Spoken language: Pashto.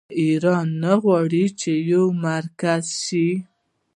آیا ایران نه غواړي چې یو مرکز شي؟